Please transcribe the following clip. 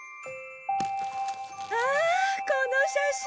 ああこの写真！